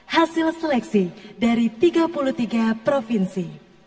hasil seleksi dari tiga puluh tiga provinsi